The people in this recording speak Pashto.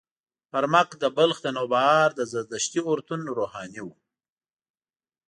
برمک د بلخ د نوبهار د زردشتي اورتون روحاني و.